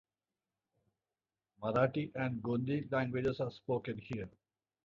Marathi and Gondi languages are spoken here.